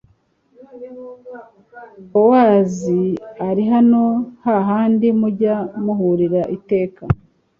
Bowazi ari hano hahandi mujya muhurira iteka